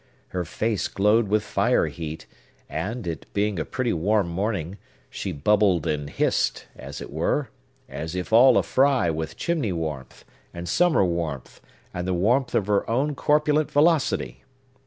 Her face glowed with fire heat, and, it being a pretty warm morning, she bubbled and hissed, as it were, as if all a fry with chimney warmth, and summer warmth, and the warmth of her own corpulent velocity.